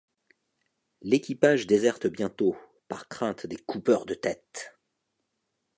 L'équipage déserte bientôt, par crainte des coupeurs de tête.